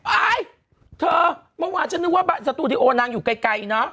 อายเธอเมื่อวานฉันนึกว่าสตูดิโอนางอยู่ไกลเนอะ